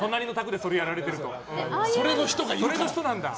それの人なんだ。